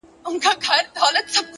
څه دي ولیدل چې کله، پخولي لمر انګوره؟